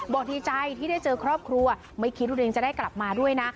ดีใจที่ได้เจอครอบครัวไม่คิดว่าตัวเองจะได้กลับมาด้วยนะ